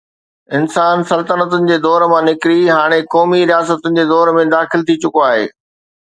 انسان سلطنتن جي دور مان نڪري هاڻي قومي رياستن جي دور ۾ داخل ٿي چڪو آهي.